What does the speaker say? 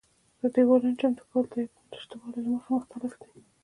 د دېوالونو چمتو کول د عیبونو له شتوالي له مخې مختلف دي.